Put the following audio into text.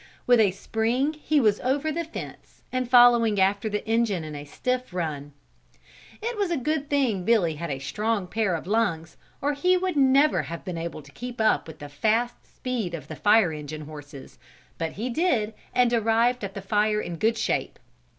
With a spring he was over the fence and following after the engine at a stiff run. It was a good thing Billy had a strong pair of lungs or he would never have been able to keep up with the fast speed of the fire engine horses, but he did and arrived at the fire in good shape.